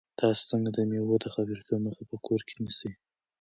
تاسو څنګه د مېوو د خرابېدو مخه په کور کې نیسئ؟